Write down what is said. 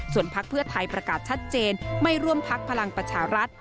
ส่วนพักเพื่อไทยประกาศชัดเจนไม่ร่วมพักพลังประชารัฐ